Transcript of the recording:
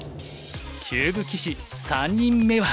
中部棋士３人目は。